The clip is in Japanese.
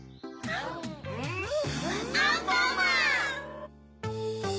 アンパンマン！